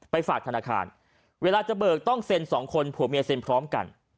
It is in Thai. ฝากธนาคารเวลาจะเบิกต้องเซ็นสองคนผัวเมียเซ็นพร้อมกัน